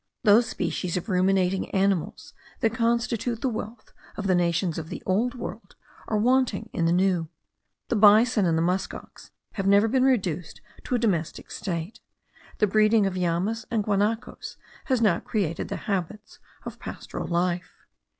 Those species of ruminating animals, that constitute the wealth of the nations of the Old World, are wanting in the New. The bison and the musk ox have never been reduced to a domestic state; the breeding of llamas and guanacos has not created the habits of pastoral life.